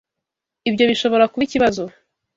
Ibyo bishobora kuba ikibazo.